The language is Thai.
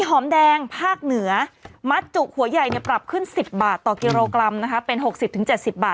หน้าเหมือนกันพี่ต้องระวังนะ